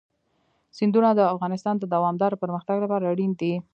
سیندونه د افغانستان د دوامداره پرمختګ لپاره اړین دي.